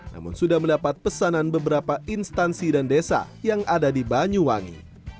namun sudah mendapat pesanan beberapa instansi dan desa yang ada di banyuwangi